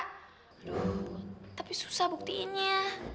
aduh tapi susah buktiinnya